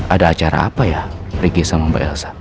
ada acara apa ya ricky sama mbak elson